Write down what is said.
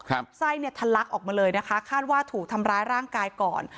ไส้เนี่ยทะลักออกมาเลยนะคะคาดว่าถูกทำร้ายร่างกายก่อน